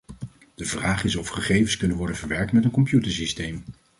De vraag is of gegevens kunnen worden verwerkt met een computersysteem.